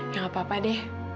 gak apa apa deh